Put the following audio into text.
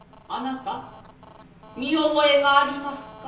貴方見覚えがありますか。